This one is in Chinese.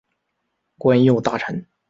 官右大臣。